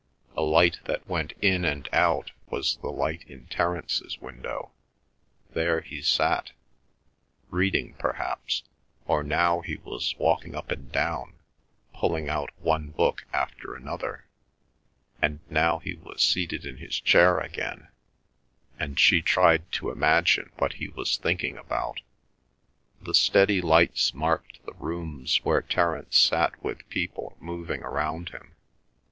A light that went in and out was the light in Terence's window: there he sat, reading perhaps, or now he was walking up and down pulling out one book after another; and now he was seated in his chair again, and she tried to imagine what he was thinking about. The steady lights marked the rooms where Terence sat with people moving round him.